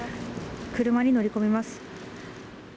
車に乗り込みます。